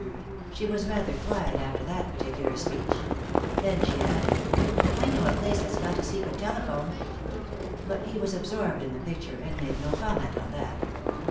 She was rather quiet after that particular speech. Then she added: "I know a place that's got a secret telephone." But he was absorbed in the picture, and made no comment on that.